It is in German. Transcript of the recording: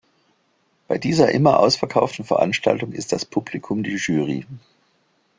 Bei dieser immer ausverkauften Veranstaltung ist das Publikum die Jury.